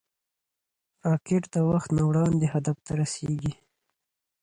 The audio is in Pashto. راکټ د وخت نه وړاندې هدف ته رسېږي